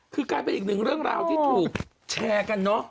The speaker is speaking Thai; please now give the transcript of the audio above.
คือกลายเป็นอีกหนึ่งเรื่องราวที่ถูกแชร์กันเนอะ